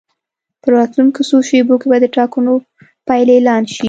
په راتلونکو څو شېبو کې به د ټاکنو پایلې اعلان شي.